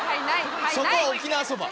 そこは沖縄そば。